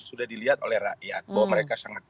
sudah dilihat oleh rakyat bahwa mereka sangat